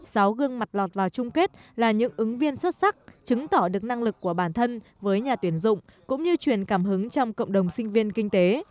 sáu gương mặt lọt vào chung kết là những ứng viên xuất sắc chứng tỏ được năng lực của bản thân với nhà tuyển dụng cũng như truyền cảm hứng trong cộng đồng sinh viên kinh tế